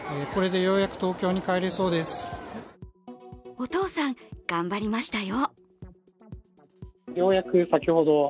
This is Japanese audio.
お父さん、頑張りましたよ。